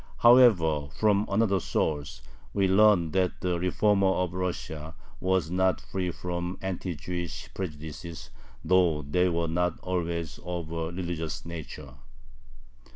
However, from another source we learn that the "reformer" of Russia was not free from anti Jewish prejudices, though they were not always of a religious nature.